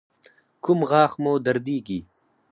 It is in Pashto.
کوم غاښ مو دردیږي؟